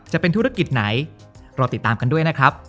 จะเป็นธุรกิจไหนรอติดตามกันด้วยนะครับ